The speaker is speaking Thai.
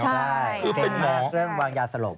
ใช่เห็นแมสเรื่องวางยาสลบ